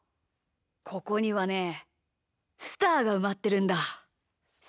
ここにはねスターがうまってるんだ。